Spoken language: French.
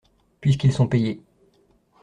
Puisqu'ils sont payés.